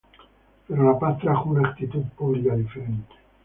Pero la paz trajo una actitud pública diferente.